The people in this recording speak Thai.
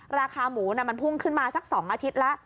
ราคาหมูมันพุ่งขึ้นมาสัก๒อาทิตย์แล้ว